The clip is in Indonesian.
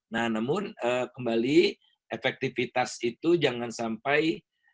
nah namun kembali efektivitas itu jangan sampai